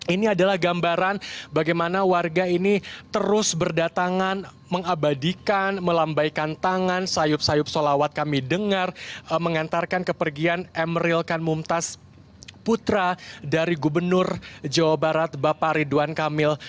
ini adalah gambaran bagaimana warga ini terus berdatangan mengabadikan melambaikan tangan sayup sayup salawat kami dengar mengantarkan kepergian emeril kan mumtaz putra dari gubernur jawa barat bapak ridwan kamil